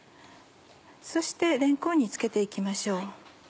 そしてれんこんに付けて行きましょう。